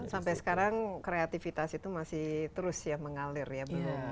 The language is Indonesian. sampai sekarang kreatifitas itu masih terus ya mengalir ya